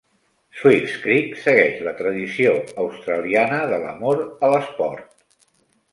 Swifts Creek segueix la tradició australiana de l'amor a l'esport.